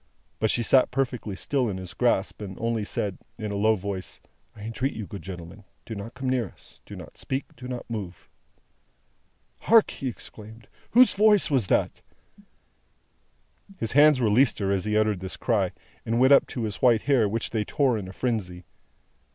But she sat perfectly still in his grasp, and only said, in a low voice, "I entreat you, good gentlemen, do not come near us, do not speak, do not move!" "Hark!" he exclaimed. "Whose voice was that?" His hands released her as he uttered this cry, and went up to his white hair, which they tore in a frenzy.